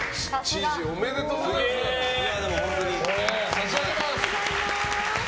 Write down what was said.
差し上げます。